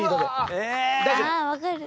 あ分かる。